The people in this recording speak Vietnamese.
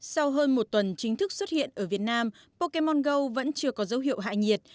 sau hơn một tuần chính thức xuất hiện ở việt nam pokemon go vẫn chưa có dấu hiệu hại nhiệt